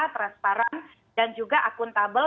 transparan dan juga akuntabel